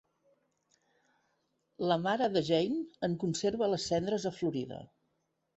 La mare de Gein en conserva les cendres a Florida.